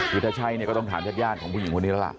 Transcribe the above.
คือถ้าใช่ก็ต้องถามชาติญาณของผู้หญิงวันนี้แล้ว